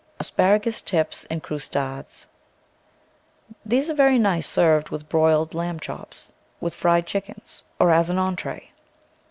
ASPARAGUS TIPS IN CROUSTADES These are nice served with broiled lamb chops, with fried chickens, or as an entree.